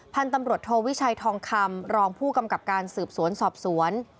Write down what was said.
พันธุ์ตำรวจโทวิชัยทองคำรองผู้กำกับการสืบสวนสอบสวน